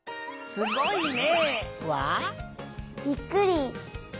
すごいね！